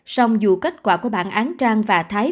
song dù kết quả của bản án trang và thái